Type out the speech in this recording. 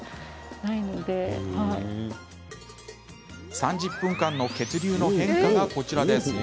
３０分間の血流の変化がこちらです。